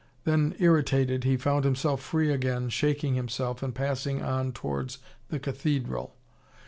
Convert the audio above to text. Then, irritated, he found himself free again, shaking himself and passing on towards the cathedral.